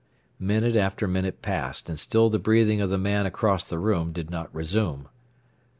Minute after minute passed, and still the breathing of the man across the room did not resume.